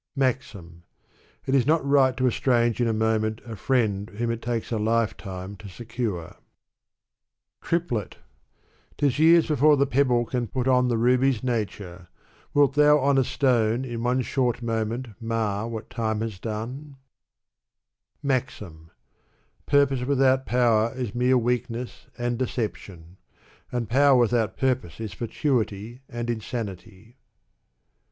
It is not right to estrange in a moment a friend whom it takes a lifetime to secure. Digitized by Google • '^.^.^M i>. ^yr^±^2j^^i^<^y^t A Si 318 Sa'di. TripUU Tis years before the pebble can put on The ruby's nature. — Wilt thou on a stone In one short moment mar what time has done? MAXIM. Purpose without power is mere weakness and de ception; and power without purpose is &tuity and insanity.